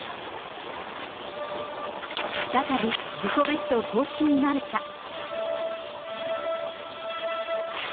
再び自己ベスト更新なるか。